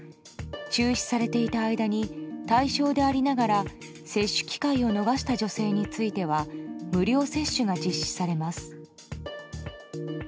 中止されていた間に対象でありながら、接種機会を逃した女性については無料接種が実施されます。